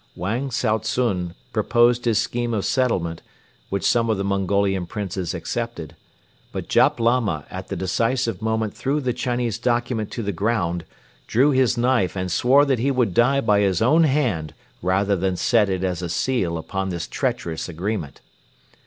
Wang Tsao tsun proposed his scheme of settlement, which some of the Mongolian Princes accepted; but Jap Lama at the decisive moment threw the Chinese document to the ground, drew his knife and swore that he would die by his own hand rather than set it as a seal upon this treacherous agreement.